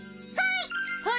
はい！